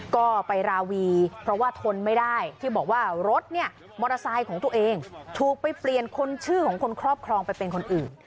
ก็ไปราวีเพราะว่าทนไม่ได้ที่บอกว่ารถเนี่ยมอเตอร์ไซค์ของตัวเองถูกไปเปลี่ยนคนชื่อของคนครอบครองไปเป็นคนอื่น